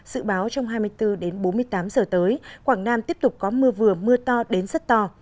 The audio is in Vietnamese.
dự báo trong hai mươi bốn đến bốn mươi tám giờ tới quảng nam tiếp tục có mưa vừa mưa to đến rất to